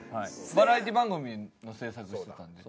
バラエティー番組の制作してたんで。